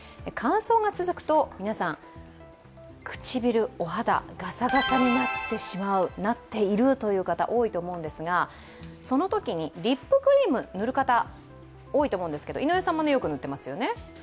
乾燥が続くと皆さん、唇、お肌、ガサガサになってしまう、なっているという方多いと思いますが、そのときにリップクリーム、塗る方、多いと思いますが井上さんもよく塗っていますよね？